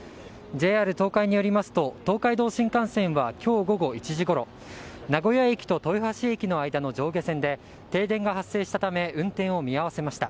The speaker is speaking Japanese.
ＪＲ東海によりますと東海道新幹線は今日午後１時ごろ名古屋駅と豊橋駅の間の上下線で停電が発生したため運転を見合わせました。